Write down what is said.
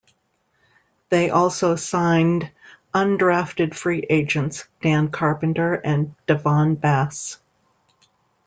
They also signed undrafted free agents Dan Carpenter and Davone Bess.